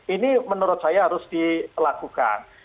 ini menurut saya harus dilakukan